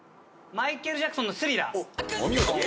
マイケル・ジャクソンの『スリラー』お見事。